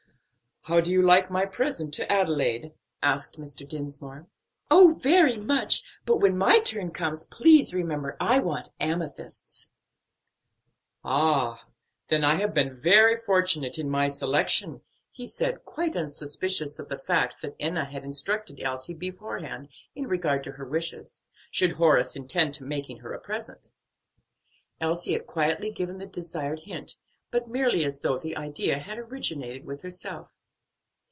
"How do you like my present to Adelaide? asked Mr. Dinsmore. "Oh, very much; but when my turn comes please remember I want amethysts." "Ah, then I have been fortunate in my selection," he said, quite unsuspicious of the fact that Enna had instructed Elsie beforehand in regard to her wishes, should Horace intend making her a present. Elsie had quietly given the desired hint, but merely as though the idea had originated with herself.